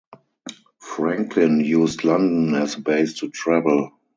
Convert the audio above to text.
Franklin used London as a base to travel.